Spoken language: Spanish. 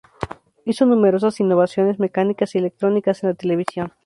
Hizo numerosas innovaciones mecánicas y electrónicas en la televisión.